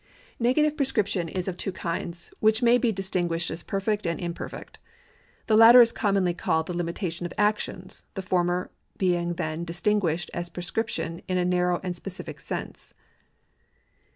^ Negative prescription is of two kinds, which may be distin guished as perfect and imperfect. The latter is commonly called the limitation of actions, the former being then distin guished as prescription in a narrow and specific sense.